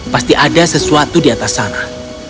pasti ada sesuatu di atas sana